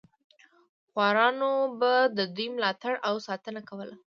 خوارانو به د دوی ملاتړ او ساتنه کوله.